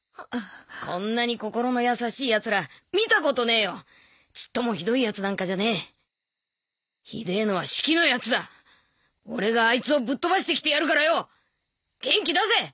こんなに心の優しいヤツら見たことねえよちっともひどいヤツなんかじゃねえひでえのはシキのヤツだ俺がアイツをぶっ飛ばしてきてやるからよ元気出せ！